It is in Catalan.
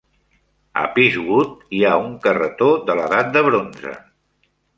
A Peacewood hi ha un carretó de l'edat de bronze.